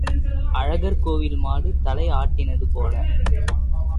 அழகர் கோயில் மாடு தலை ஆட்டினது போல.